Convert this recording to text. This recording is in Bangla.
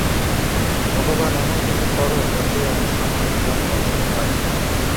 ভগবান এমন-কিছু করো যাতে আজ আমার জন্মতিথি হয়।